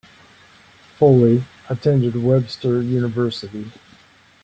Foley attended Webster University.